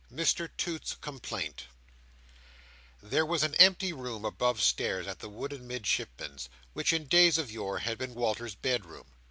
Mr Toots's Complaint There was an empty room above stairs at the wooden Midshipman's, which, in days of yore, had been Walter's bedroom.